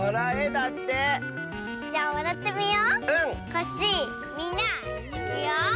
コッシーみんないくよ。